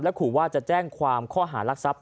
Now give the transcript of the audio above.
และขอว่าจะแจ้งความข้อหารักษัพท์